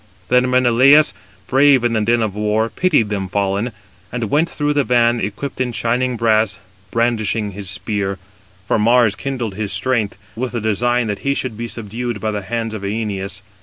Then Menelaus, brave in the din of war, pitied them fallen, and went through the van, equipped in shining brass, brandishing his spear; for Mars kindled his strength, with the design that he should be subdued by the hands of Æneas.